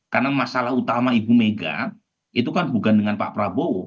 karena masalah utama ibu mega itu kan bukan dengan pak prabowo